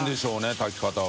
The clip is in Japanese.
炊き方が。